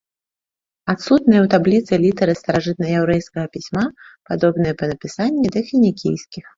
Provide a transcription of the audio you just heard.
Адсутныя ў табліцы літары старажытнаяўрэйскага пісьма падобныя па напісанні да фінікійскіх.